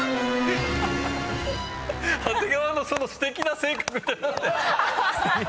長谷川のその「すてきな性格」って何だよ？